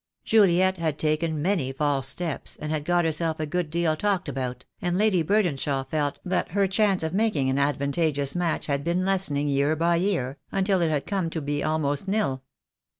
Juliet had taken many false steps, and had got herself a good deal talked about, and Lady Burdenshaw felt that her chance of making an advantageous match had been lessening year by year until it had come to be almost nil.